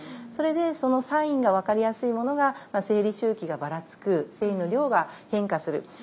それでそのサインが分かりやすいものが生理周期がばらつく生理の量が変化する。